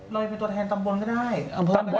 เลยเป็นตัวแทนตำบลก็ได้